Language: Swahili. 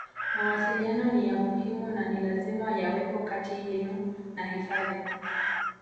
Mawasiliano ni ya muhimu na ni lazima yawepo kati yenu na hifadhi